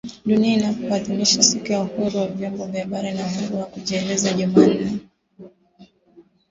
Dunia inapoadhimisha siku ya uhuru wa vyombo vya habari na uhuru wa kujieleza Jumanne